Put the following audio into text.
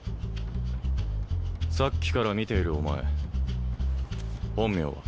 さっきから見ているお前本名は？